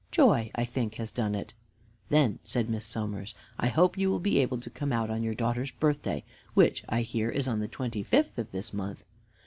Joy, I think, has done it." "Then," said Miss Somers, "I hope you will be able to come out on your daughter's birthday, which, I hear, is on the twenty fifth of this month.